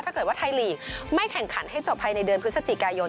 ถ้าเกิดว่าไทยลีกไม่แข่งขันให้จบภายในเดือนพฤศจิกายน